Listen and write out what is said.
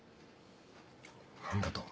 何だと。